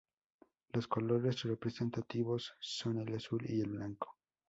Los colores representativos son el azul y el blanco.